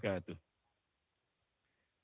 selamat pagi salam sejahtera